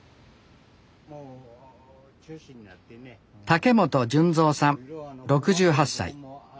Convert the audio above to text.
竹本純三さん６８歳。